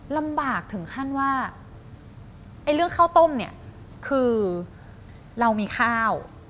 ลำบากถึงขั้นว่าไอ้เรื่องข้าวต้มเนี่ยคือเรามีข้าว